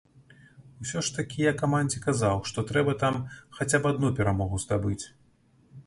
Усё ж такі я камандзе казаў, што трэба там хаця б адну перамогу здабыць.